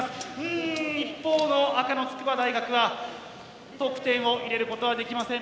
ん一方の赤の筑波大学は得点を入れることはできません。